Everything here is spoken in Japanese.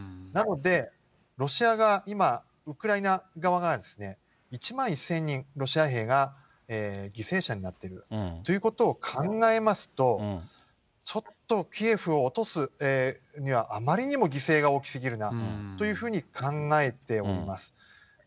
なので、ロシア側、今、ウクライナ側が１万１０００人、ロシア兵が犠牲者になっているということを考えますと、ちょっとキエフを落とすにはあまりにも犠牲が大きすぎるなというふうに考えております。